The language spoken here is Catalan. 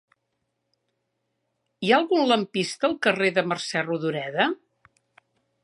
Hi ha algun lampista al carrer de Mercè Rodoreda?